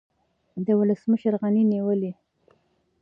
د ولسمشر غني نیولې